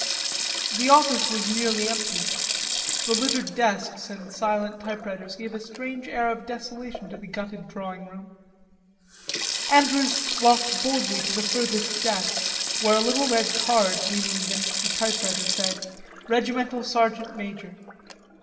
The office was nearly empty. The littered desks and silent typewriters gave a strange air of desolation to the gutted drawing room. Andrews walked boldly to the furthest desk, where a little red card leaning against the typewriter said "Regimental Sergeant Major."